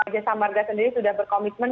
jasa marga sendiri sudah berkomitmen